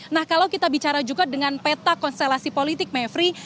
nah kalau kita bicara juga dengan peta konstelasi politik mevri